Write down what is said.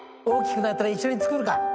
大きくなったら一緒に作るか。